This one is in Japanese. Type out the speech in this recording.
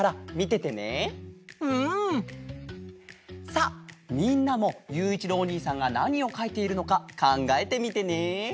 さあみんなもゆういちろうおにいさんがなにをかいているのかかんがえてみてね！